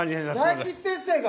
大吉先生が？